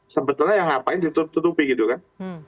sebetulnya yang ngapain ditutupi gitu kan